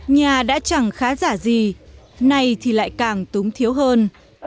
nhà đã chẳng khá giả gì nay thì lại càng túng thiếu hơn